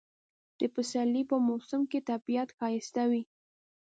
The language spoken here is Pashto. د پسرلی په موسم کې طبیعت ښایسته وي